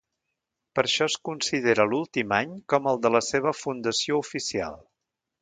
Per això es considera l'últim any com el de la seva fundació oficial.